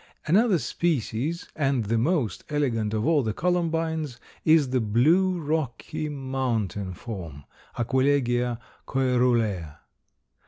Another species, and the most elegant of all the Columbines, is the blue Rocky Mountain form (Aquilegia coerulea).